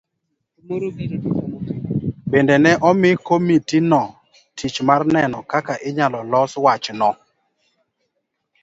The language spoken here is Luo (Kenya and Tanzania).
Bende ne omi komitino tich mar neno kaka inyalo los wachno?